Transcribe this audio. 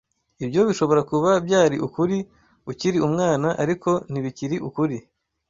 Ibyo bishobora kuba byari ukuri ukiri umwana, ariko ntibikiri ukuri.